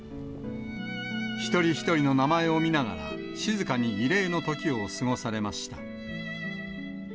一人一人の名前を見ながら、静かに慰霊の時を過ごされました。